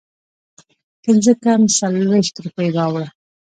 پنځه کم څلوېښت روپۍ راوړه